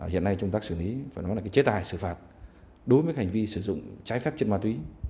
hiện nay chúng ta xử lý phải nói là chế tài xử phạt đối với hành vi sử dụng trái phép chất ma túy